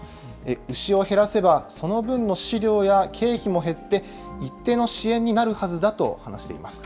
牛を減らせば、その分の飼料や経費も減って、一定の支援になるはずだと話しています。